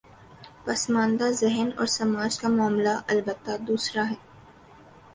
پس ماندہ ذہن اور سماج کا معاملہ البتہ دوسرا ہے۔